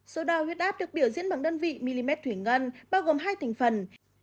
số đau huyết áp được biểu diễn bằng đơn vị mm thủy ngân bao gồm hai tỉnh phần